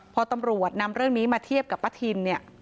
พอตำรวจนำเรื่องนี้มาเทียบกับป้าทินเนี่ย